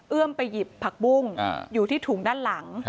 ไปหยิบผักบุ้งอยู่ที่ถุงด้านหลัง